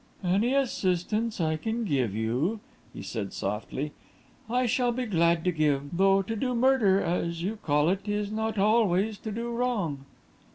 "Any assistance I can give you," he said, softly, "I shall be glad to give; though to do murder, as you call it, is not always to do wrong."